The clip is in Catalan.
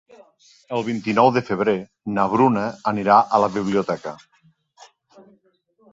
El vint-i-nou de febrer na Bruna anirà a la biblioteca.